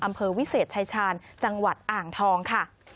อำเภอวิเศษชายชาญจังหวัดอ่างทองค่ะ